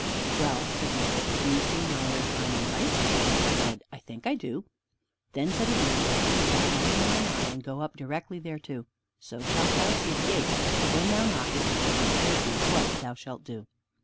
"Well," said the other, "do you see yonder shining light?" He said, "I think I do." Then said Evangelist, "Keep that light in thine eye, and go up directly thereto, so shalt thou see the gate. When thou knockest, it shall be told thee what thou shalt do."